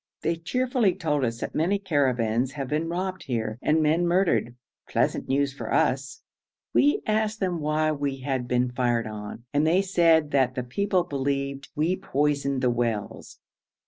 They cheerfully told us that many caravans have been robbed here, and men murdered; pleasant news for us. We asked them why we had been fired on, and they said that the people believed we poisoned the wells.